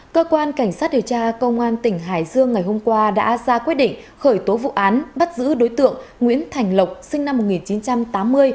cơ quan cảnh sát điều tra công an tỉnh hải dương ngày hôm qua đã ra quyết định khởi tố vụ án bắt giữ đối tượng nguyễn thành lộc sinh năm một nghìn chín trăm tám mươi